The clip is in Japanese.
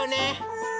うん！